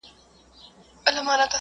پرون ماشوم نوی درس زده کړ.